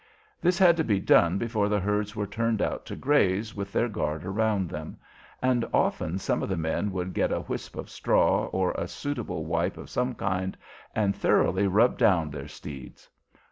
This had to be done before the herds were turned out to graze with their guard around them; and often some of the men would get a wisp of straw or a suitable wipe of some kind, and thoroughly rub down their steeds.